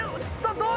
どうだ！？